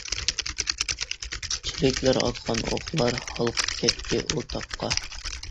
چىرىكلەر ئاتقان ئوقلار، ھالقىپ كەتتى ئۇ تاققا.